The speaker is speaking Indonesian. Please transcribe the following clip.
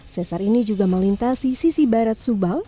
sesar ini juga melintasi sisi barat subang